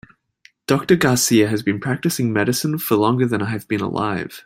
Doctor Garcia has been practicing medicine for longer than I have been alive.